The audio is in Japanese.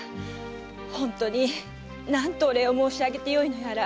本当に何とお礼を申し上げてよいのやら。